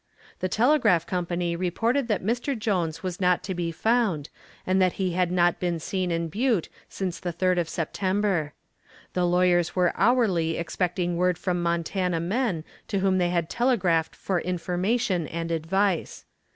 The telegraph company reported that Mr. Jones was not to be found and that he had not been seen in Butte since the 3d of September. The lawyers were hourly expecting word from Montana men to whom they had telegraphed for information and advice.